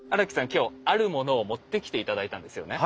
今日あるものを持ってきて頂いたんですよね。